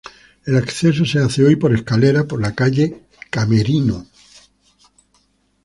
El acceso se hace hoy por escaleras por la calle Camerino.